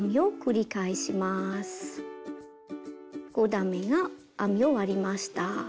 ５段めが編み終わりました。